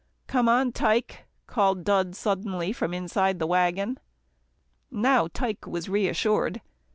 "Come on, Tike," called Dud suddenly from the waggon. Now Tike was reassured.